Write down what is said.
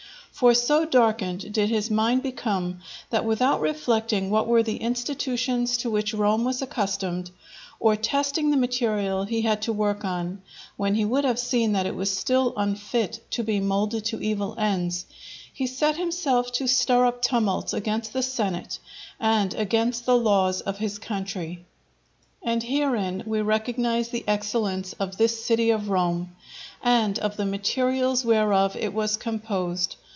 For so darkened did his mind become, that without reflecting what were the institutions to which Rome was accustomed, or testing the material he had to work on, when he would have seen that it was still unfit to be moulded to evil ends, he set himself to stir up tumults against the senate and against the laws of his country. And herein we recognize the excellence of this city of Rome, and of the materials whereof it was composed.